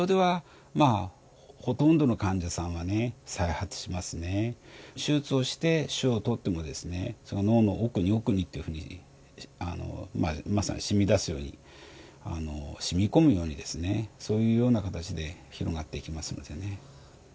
残念ですけど手術をして腫瘍を取ってもですね脳の奥に奥にっていうふうにまさにしみ出すようにしみ込むようにですねそういうような形で広がっていきますのでね。